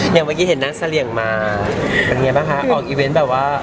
อย่างเมื่อกี้เห็นนักเสลี่ยงมาเป็นไงบ้างคะออกอีเวนต์แบบว่า